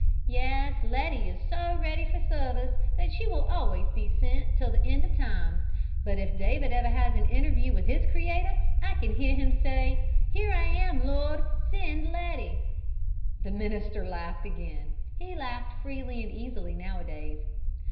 "Yes, Letty is so ready for service that she will always be sent, till the end of time; but if David ever has an interview with his Creator I can hear him say: 'Here am I, Lord; send Letty!'" The minister laughed again. He laughed freely and easily nowadays.